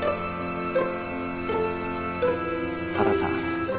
原さん。